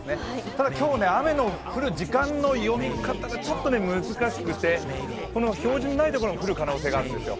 たた今日、雨の降る時間の読み方がちょっと難しくて表示のないところも降る可能性があるんですよ。